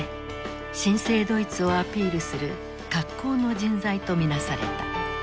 新生ドイツをアピールする格好の人材と見なされた。